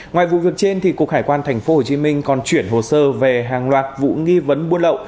ngoài vụ việc trên cục hải quan tp hcm còn chuyển hồ sơ về hàng loạt vụ nghi vấn buôn lậu